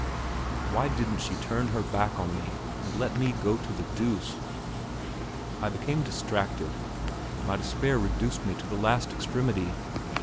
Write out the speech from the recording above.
Why didn't she turn her back on me, and let me go to the deuce?... I became distracted; my despair reduced me to the last extremity.